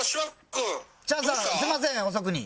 すみません遅くに。